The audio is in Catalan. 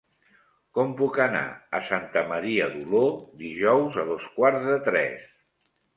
Com puc anar a Santa Maria d'Oló dijous a dos quarts de tres?